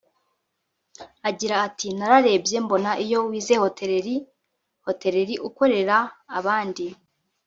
Agira ati “ Nararebye mbona iyo wize hotereri (hotelerie) ukorera abandi